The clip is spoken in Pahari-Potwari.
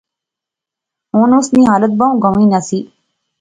ہن اس نی حالت بہوں گنوی نی سی